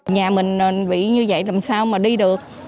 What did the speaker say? nhà mình bị như vậy làm sao mà đi được